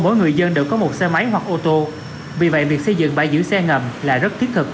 mỗi người dân đều có một xe máy hoặc ô tô vì vậy việc xây dựng bãi giữ xe ngầm là rất thiết thực